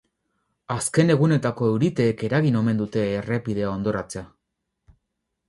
Azken egunetako euriteek eragin omen dute errepidea hondoratzea.